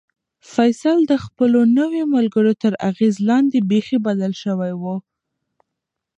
فیصل د خپلو نویو ملګرو تر اغېز لاندې بیخي بدل شوی و.